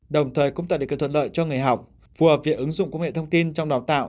đồng thời cũng tạo được cơ thuật lợi cho người học phù hợp việc ứng dụng công nghệ thông tin trong đào tạo